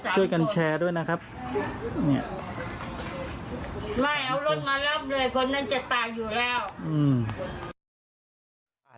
ช่วยกันแชร์ด้วยนะครับ